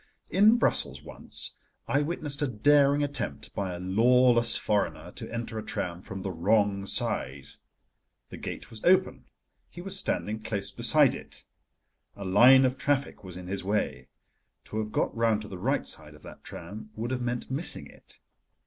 In Brussels once I witnessed a daring attempt by a lawless foreigner to enter a tram from the wrong side. The gate was open: he was standing close beside it. A line of traffic was in his way: to have got round to the right side of that tram would have meant missing it.